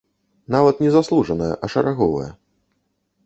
Нават не заслужаная, а шараговая.